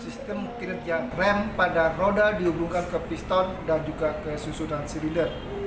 sistem kinerja rem pada roda dihubungkan ke piston dan juga ke susunan silinder